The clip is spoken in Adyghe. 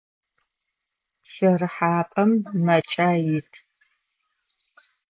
Пщэрыхьапӏэм мэкӏаи ит.